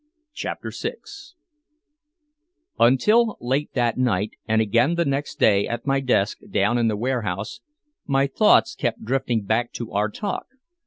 CHAPTER VI Until late that night, and again the next day at my desk down in the warehouse, my thoughts kept drifting back to our talk.